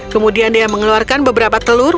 kemudian dia mengeluarkan beberapa telur